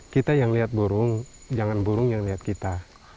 kita yang lihat burung jangan burung yang lihat kita